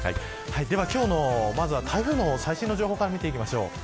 では今日の台風の最新の情報から見ていきましょう。